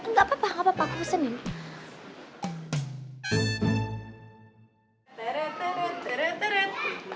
gak apa apa aku pesenin